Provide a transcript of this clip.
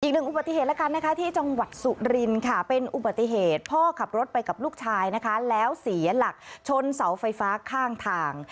อีกหนึ่งอุบัติเหตุแล้วกันนะคะที่จังหวัดสุรินค่ะเป็นอุบัติเหตุพ่อขับรถไปกับลูกชายนะคะแล้วเสียหลักชนเสาไฟฟ้าข้างทาง